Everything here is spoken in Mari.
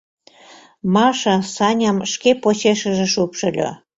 — Маша Саням шке почешыже шупшыльо.